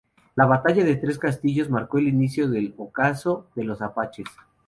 La Batalla de Tres Castillos marcó el inicio del ocaso de los apaches.